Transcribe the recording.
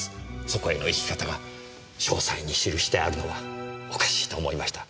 そこへの行き方が詳細に記してあるのはおかしいと思いました。